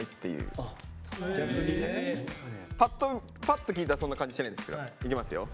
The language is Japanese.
ぱっと聞いたらそんな感じしないんですけど。いきますよ。